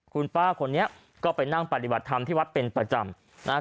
คุณป้าคนนี้ก็ไปนั่งปฏิบัติธรรมที่วัดเป็นประจำนะครับ